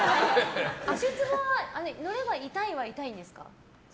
足ツボは乗れば痛いは痛いですか？